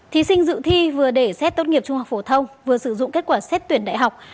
thí sinh dự thi vừa để xét tốt nghiệp trung học phổ thông vừa sử dụng kết quả xét tuyển đại học